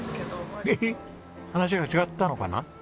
えっ話が違ったのかな？